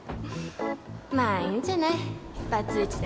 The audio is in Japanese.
まあいいんじゃないバツイチでも。